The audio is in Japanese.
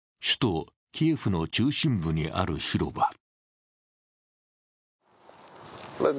首都キエフの中心部にある広場。